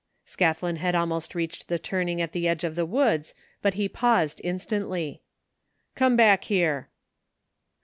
Scathlin had almost reached the tiuning at the edge of the woods, but he paused instantly. " Come back here."